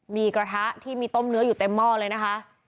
มีกระทะที่มีต้มเนื้ออยู่เต็มหม้อเลยนะคะ